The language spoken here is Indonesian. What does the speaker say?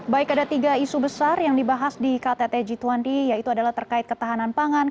baik ada tiga isu besar yang dibahas di ktt g dua puluh yaitu adalah terkait ketahanan pangan